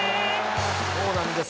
そうなんです。